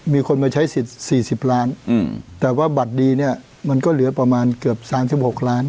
มีคนมาใช้สิทธิ์๔๐ล้านแต่ว่าบัตรดีเนี่ยมันก็เหลือประมาณเกือบ๓๖ล้าน